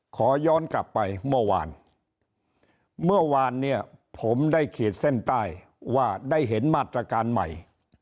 ขอย้อนกลับไปเมื่อวานเมื่อวานเนี่ยผมได้ขีดเส้นใต้ว่าได้เห็นมาตรการใหม่